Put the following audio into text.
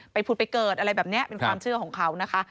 ผุดไปเกิดอะไรแบบนี้เป็นความเชื่อของเขานะคะ